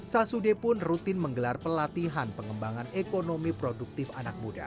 sasude pun rutin menggelar pelatihan pengembangan ekonomi produktif anak muda